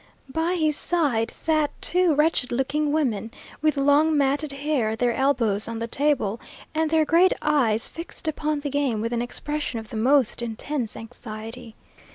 By his side sat two wretched looking women, with long matted hair, their elbows on the table, and their great eyes fixed upon the game with an expression of the most intense anxiety.